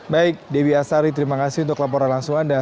baik dewi asari terima kasih untuk laporan langsung anda